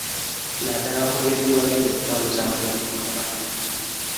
Naddala ku ngeri gye bagenda okutambuzaamu emirimu gyabwe